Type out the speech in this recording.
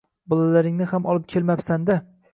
Bolalaringni ham olib kelmabsan-da